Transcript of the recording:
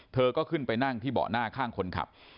เธอก็ขึ้นไปนั่งที่เบาะหน้าข้างคนขับ